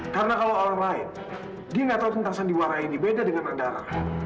karena kalau orang lain dia gak tau tuntasan di warah ini beda dengan andara